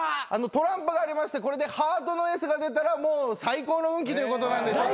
トランプがありましてこれでハートのエースが出たらもう最高の運気ということなんで。